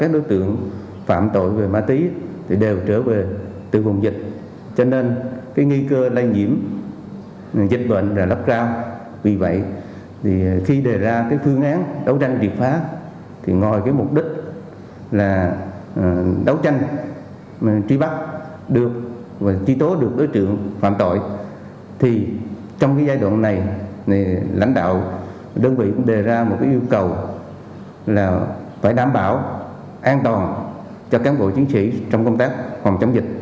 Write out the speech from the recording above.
lãnh đạo đơn vị cũng đề ra một yêu cầu là phải đảm bảo an toàn cho cán bộ chiến sĩ trong công tác phòng chống dịch